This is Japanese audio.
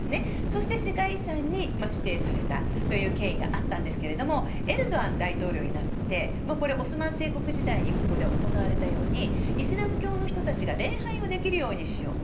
そして世界遺産に指定されたという経緯があったんですがエルドアン大統領になってこれ、オスマン帝国時代にここで行われたようにイスラム教の人たちが礼拝をできるようにしよう。